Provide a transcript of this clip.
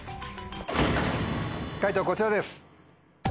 解答こちらです。